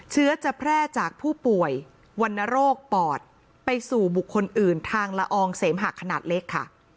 เชื้อจะแพร่จากผู้ป่วยวรรณโรคปอดไปสู่บุคคลอื่นทางละอองเสมหะขนาดเล็กค่ะ